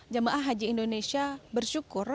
jemaah haji indonesia bersyukur